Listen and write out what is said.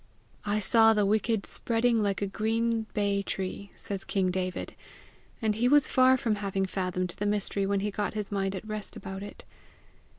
"I saw the wicked spreading like a green bay tree," says king David; and he was far from having fathomed the mystery when he got his mind at rest about it.